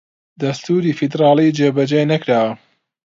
دەستووری فیدڕاڵی جێبەجێ نەکراوە